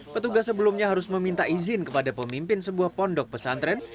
petugas sebelumnya harus meminta izin kepada pemimpin sebuah pondok pesantren